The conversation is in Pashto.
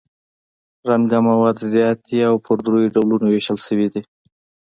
رنګه مواد زیات دي او په دریو ډولو ویشل شوي دي.